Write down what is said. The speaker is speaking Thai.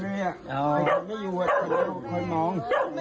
มาหากินเองเลยไม่อยู่กับชาวคอยมอง